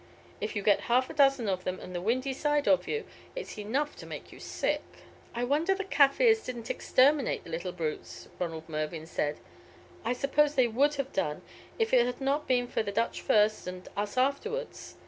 If you get half a dozen of them on the windy side of you, it's enough to make you sick." "I wonder the Kaffirs didn't exterminate the little brutes," Ronald Mervyn said. "I suppose they would have done if it had not been for the Dutch first and us afterwards.